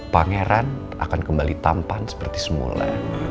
pangeran akan kembali tampan seperti semula